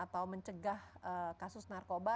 atau mencegah kasus narkoba